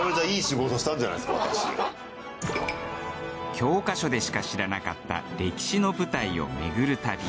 教科書でしか知らなかった歴史の舞台を巡る旅。